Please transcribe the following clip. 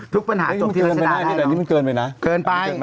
ทุกปัญหาจบที่รัชดาได้นี่มันเกินไปได้นี่มันเกินไปนะ